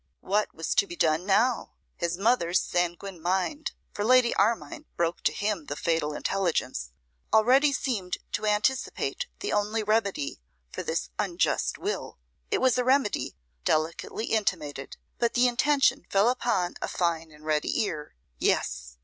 What was to be done now? His mother's sanguine mind, for Lady Armine broke to him the fatal intelligence, already seemed to anticipate the only remedy for this 'unjust will.' It was a remedy delicately intimated, but the intention fell upon a fine and ready ear. Yes!